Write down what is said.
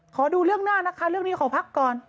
ขอดูเรื่องหน้านะคะเรื่องนี้ขอพักก่อน